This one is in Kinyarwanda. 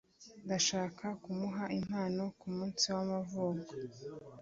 Ndashaka kumuha impano kumunsi w'amavuko.